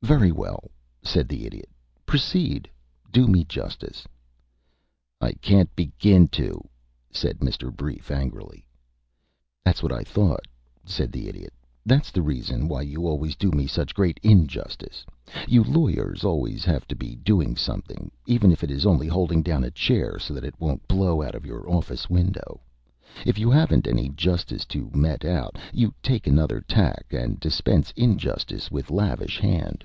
"Very well," said the Idiot. "Proceed. Do me justice." "I can't begin to," said Mr. Brief, angrily. "That's what I thought," said the Idiot. "That's the reason why you always do me such great injustice. You lawyers always have to be doing something, even if it is only holding down a chair so that it won't blow out of your office window. If you haven't any justice to mete out, you take another tack and dispense injustice with lavish hand.